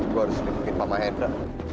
gue harus liputin mama hedda